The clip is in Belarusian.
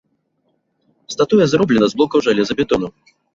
Статуя зроблена з блокаў жалезабетону.